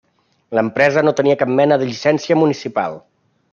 L'empresa no tenia cap mena de llicència municipal.